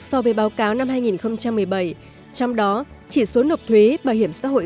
so với báo cáo năm hai nghìn một mươi bảy trong đó chỉ số nộp thuế bảo hiểm xã hội